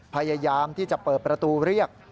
พยายามที่จะเปิดประตูเรียก